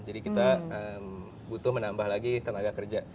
jadi kita butuh menambah lagi tenaga kerja